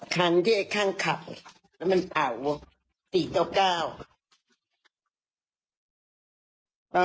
ครั้งที่ไอ้ข้างขับแล้วมันเป่า๔๙